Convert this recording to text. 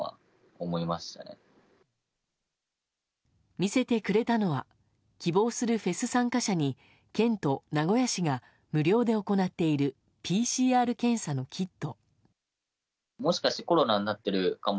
見せてくれたのは希望するフェス参加者に県と名古屋市が無料で行っているＰＣＲ検査のキット。